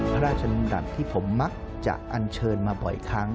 พระราชดำรัฐที่ผมมักจะอันเชิญมาบ่อยครั้ง